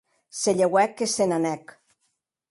Se lheuèc e se n'anèc.